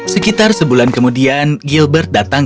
sekitar sebulan kemudian gilbert datang